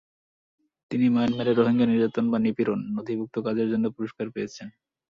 তিনি "মায়ানমারে রোহিঙ্গা নির্যাতন বা নিপীড়ন" নথিভুক্ত কাজের জন্য পুরস্কার পেয়েছেন।